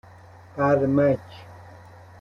بَرمک